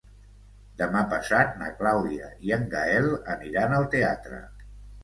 Demà passat na Clàudia i en Gaël aniran al teatre.